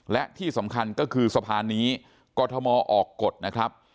และที่สำคัญก็คือสะพานนี้กรทมออกกฎนะครับ